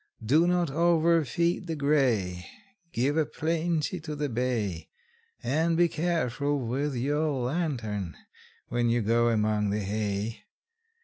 Do not overfeed the gray; Give a plenty to the bay; And be careful with your lantern when you go among the hay.